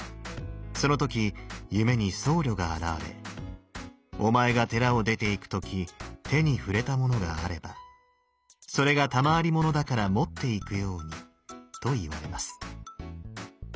その時夢に僧侶が現れ「お前が寺を出て行く時手に触れたものがあればそれが賜り物だから持って行くように」と言われます。